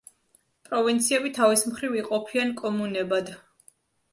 პროვინციები თავის მხრივ იყოფიან კომუნებად.